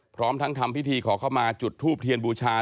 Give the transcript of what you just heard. พร้อมทั้งทำพิธีขอเข้ามาจุดทูบเทียนบูชา